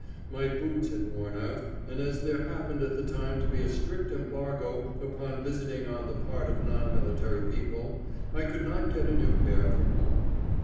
My boots had worn out, and as there happened at the time to be a strict embargo upon all visiting on the part of non military people, I could not get a new pair from home.